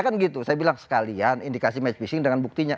saya bilang sekalian indikasi match fixing dengan buktinya